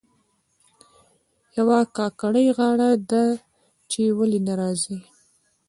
یوه کاکړۍ غاړه ده چې ولې نه راځي.